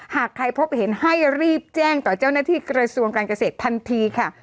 หากใครพบเห็นให้รีบแจ้งต่อเจ้าหน้าที่กระทรวงการเกษตรทันทีค่ะ